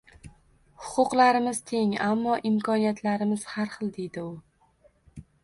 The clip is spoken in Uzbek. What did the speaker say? Huquqlarimiz teng, ammo imkoniyatlarimiz har xil, — deydi u